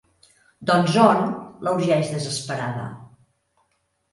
Doncs on? —la urgeix, desesperada.